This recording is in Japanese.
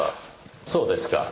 そうですか。